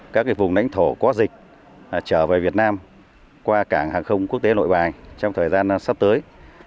các vùng đánh thổ có dịch trở về việt nam qua cảng hàng không quốc tế nội bài trong thời gian sắp tới